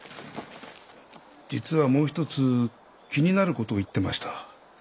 実はもう一つ気になる事を言ってました。